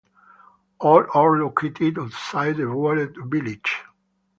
All are located outside of the walled village.